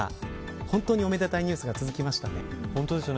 本当におめでたいニュースが続きましたね。